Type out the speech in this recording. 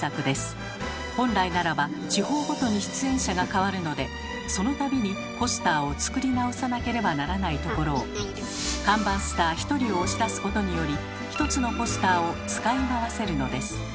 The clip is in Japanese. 本来ならば地方ごとに出演者がかわるのでその度にポスターを作り直さなければならないところを看板スター１人を押し出すことにより１つのポスターを使いまわせるのです。